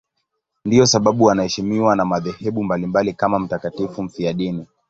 Ndiyo sababu anaheshimiwa na madhehebu mbalimbali kama mtakatifu mfiadini.